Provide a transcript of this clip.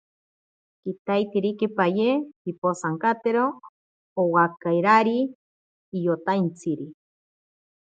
Kitaiterikipaye pimposaktero owakirari iyotaitsiri.